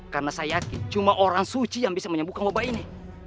karena saya yakin cuma orang suci yang bisa menyembuhkan obat ini